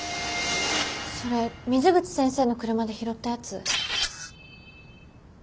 それ水口先生の車で拾ったやつ。